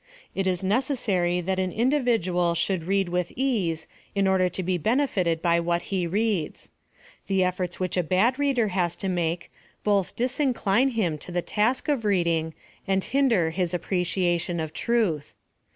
It is necessary that an individ ual should read with ease in order to be benefitted by what he reads. The efforts which a bad reader has to make, both disincline him to the task cf reading, and hinder his appreciation of truth.